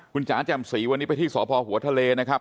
คุณจ๋าแจ่มสีวันนี้ไปที่สพหัวทะเลนะครับ